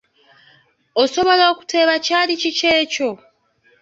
Osobola okuteeba kyali kiki ekyo?